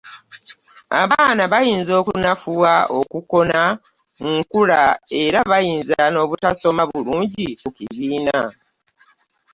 Abaana bayinza okunafuwa, okukona mu nkula era bayinza n’obutasoma bulungi ku kibiina.